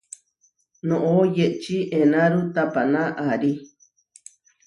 Noʼó yeči enáru tapaná aarí.